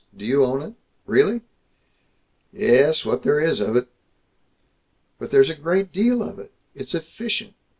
Do you own it? Really?" "Ye es, what there is of it." "But there's a great deal of it. It's efficient.